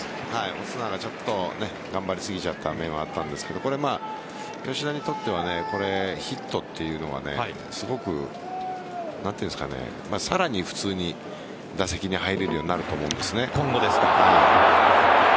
オスナがちょっと頑張りすぎちゃった面はあったんですが吉田にとってはヒットというのはさらに普通に打席に入れるようになると思うんです。